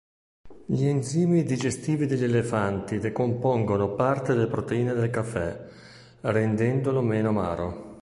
Gli enzimi digestivi degli elefanti decompongono parte delle proteine del caffè, rendendolo meno amaro.